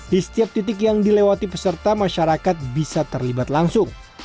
di setiap titik yang dilewati peserta masyarakat bisa terlibat langsung